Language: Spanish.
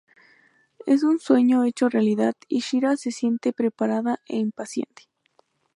Es un sueño hecho realidad y Shira se siente preparada e impaciente.